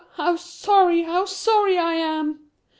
how sorry, how sorry I am!"